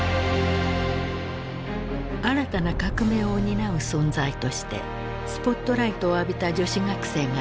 新たな革命を担う存在としてスポットライトを浴びた女子学生がいる。